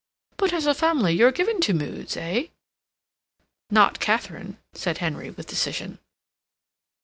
"But, as a family, you're given to moods, eh?" "Not Katharine," said Henry, with decision.